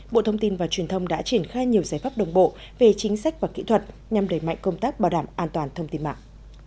bộ thông tin và truyền thông đã triển khai nhiều giải pháp đồng bộ về chính sách và kỹ thuật nhằm đẩy mạnh công tác bảo đảm an toàn thông tin mạng